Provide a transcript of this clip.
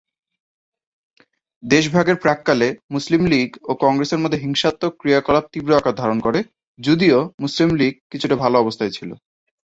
দেশভাগের প্রাক্কালে, মুসলিম লীগ ও কংগ্রেসের মধ্যে হিংসাত্মক ক্রিয়াকলাপ তীব্র আকার ধারণ করে, যদিও মুসলিম লীগ কিছুটা ভালো অবস্থায় ছিল।